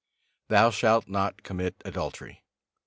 Thou shalt not commit adultery.